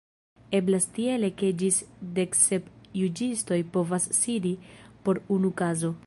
Eblas tiele ke ĝis deksep juĝistoj povas sidi por unu kazo.